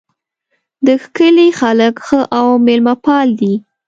د کلي خلک ښه او میلمه پال دي